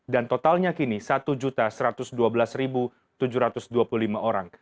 dan totalnya kini satu satu ratus dua belas tujuh ratus dua puluh lima orang